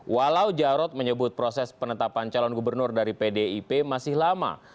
walau jarod menyebut proses penetapan calon gubernur dari pdip masih lama